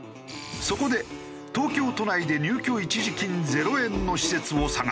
そこで東京都内で入居一時金０円の施設を探した。